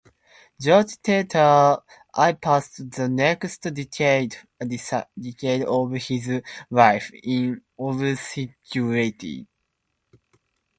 George Terter I passed the next decade of his life in obscurity.